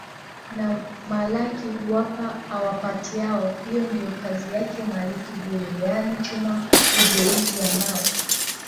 na malaki Huwapa awapatiao hiyo ndiyo kazi yake Maliki Bure yani chuma hugeuzi mbao